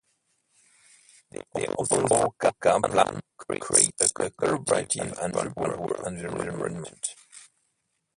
The open floor plan creates a collaborative and vibrant work environment.